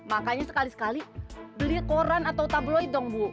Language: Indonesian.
makanya sekali sekali beli koran atau tabloid dong bu